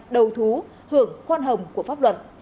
đầu thú hưởng khoan hồng của pháp luật